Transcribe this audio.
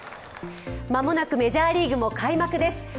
間もなくメジャーリーグも開幕です。